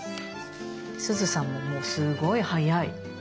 すずさんももうすごい速い。